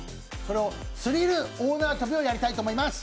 スリル大縄跳びをやりたいと思います。